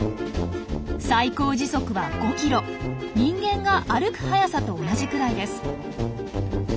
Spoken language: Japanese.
最高時速は５ｋｍ人間が歩く速さと同じくらいです。